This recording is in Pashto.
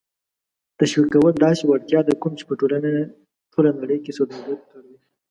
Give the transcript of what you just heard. تشویقول داسې وړتیا ده کوم چې په ټوله نړۍ کې سوداگر کاروي